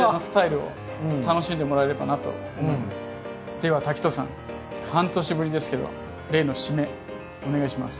では滝藤さん半年ぶりですけど例の締めお願いします。